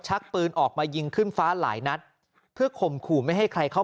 ชักปืนออกมายิงขึ้นฟ้าหลายนัดเพื่อข่มขู่ไม่ให้ใครเข้า